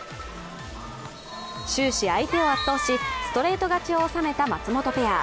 終始相手を圧倒し、ストレート勝ちを収めた松本ペア。